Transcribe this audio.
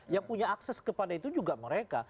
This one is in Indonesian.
yang punya akses kepada itu juga mereka